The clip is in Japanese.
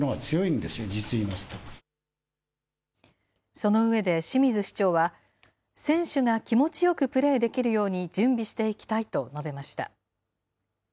その上で、清水市長は、選手が気持ちよくプレーできるように準備していきたいと述べました。